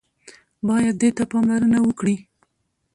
بايد دې ته پاملرنه وکړي.